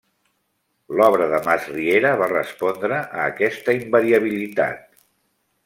L'obra de Masriera va respondre a aquesta invariabilitat.